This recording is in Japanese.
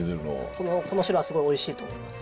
このコノシロはすごいおいしいと思います。